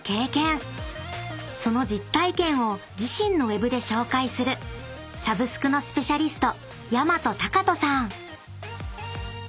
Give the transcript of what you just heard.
［その実体験を自身のｗｅｂで紹介するサブスクのスペシャリスト］